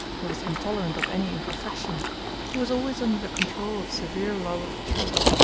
He was intolerant of any imperfection. He was always under the control of severe love of truth.